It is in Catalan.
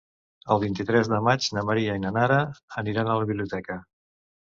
El vint-i-tres de maig na Maria i na Nara aniran a la biblioteca.